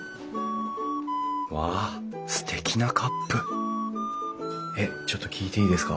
うわすてきなカップちょっと聞いていいですか？